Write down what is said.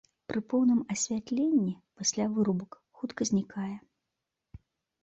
Пры поўным асвятленні пасля вырубак хутка знікае.